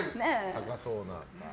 高そうな。